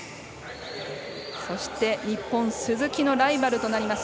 そして日本、鈴木のライバルとなります